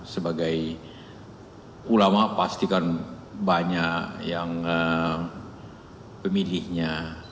sebagai ulama pastikan banyak yang pemilihnya